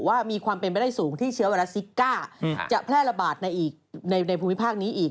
ว่ามีความเป็นไปได้สูงที่เชื้อไวรัสซิก้าจะแพร่ระบาดในภูมิภาคนี้อีก